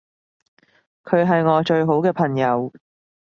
佢係我最好嘅朋友